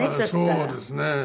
そうですね。